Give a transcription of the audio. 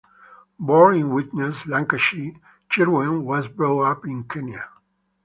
Born in Widnes, Lancashire, Sherwen was brought up in Kenya.